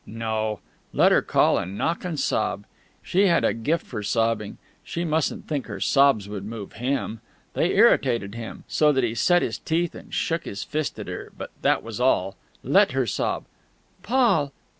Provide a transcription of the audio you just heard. No: let her call and knock and sob. She had a gift for sobbing; she mustn't think her sobs would move him. They irritated him, so that he set his teeth and shook his fist at her, but that was all. Let her sob. "_Paul!...